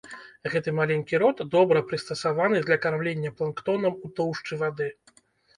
Гэты маленькі рот добра прыстасаваны для кармлення планктонам ў тоўшчы вады.